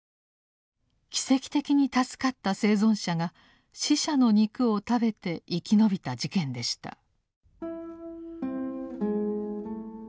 奇跡的に助かった生存者が死者の肉を食べて生き延びた事件でした。